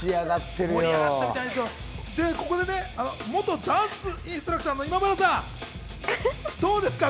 ここで、元ダンスインストラクターの今村さん、どうですか？